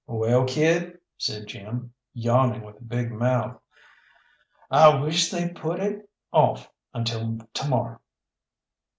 "Well, kid," said Jim, yawning with a big mouth, "I wish they'd put it off until to morrow."